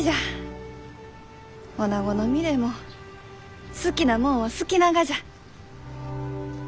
おなごの身でも好きなもんは好きながじゃ。